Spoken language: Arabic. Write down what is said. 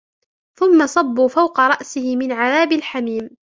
ثم صبوا فوق رأسه من عذاب الحميم